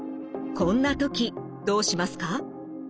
こんな時どうしますか？